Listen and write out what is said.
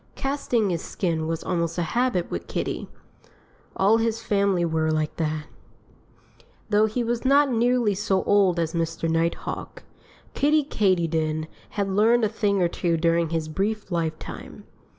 Casting his skin was almost a habit with Kiddie. All his family were like that. Though he was not nearly so old as Mr. Nighthawk, Kiddie Katydid had learned a thing or two during his brief lifetime.